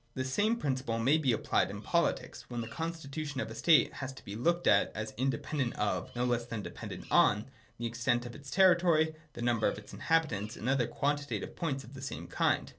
The same principle may be apphed in politics, when the constitution of a state has to be looked at as independent of, no less than as dependent on, the extent of its territory, the number of its inhabitants, and other quantitative points of the same kind.